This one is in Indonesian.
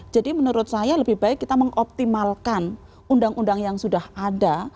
jadi menurut saya lebih baik kita mengoptimalkan undang undang yang sudah ada